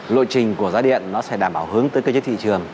lộ trình của giá điện nó sẽ đảm bảo hướng tới cơ chế thị trường